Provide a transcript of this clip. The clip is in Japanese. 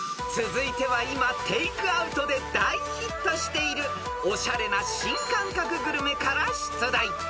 ［続いては今テイクアウトで大ヒットしているおしゃれな新感覚グルメから出題］